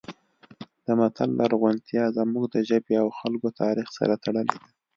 د متل لرغونتیا زموږ د ژبې او خلکو تاریخ سره تړلې ده